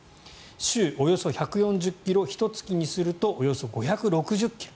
週およそ１４０ｋｍひと月にするとおよそ５６０ｋｍ。